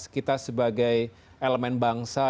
kita sebagai elemen bangsa